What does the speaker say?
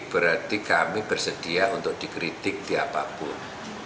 berarti kami bersedia untuk dikritik di apapun